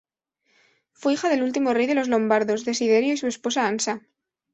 Fue hija del último rey de los lombardos, Desiderio, y su esposa Ansa.